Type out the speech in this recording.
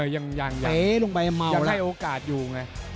ยังให้โอกาสอยู่ไง